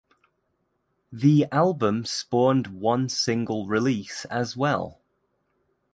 The album spawned one single release as well.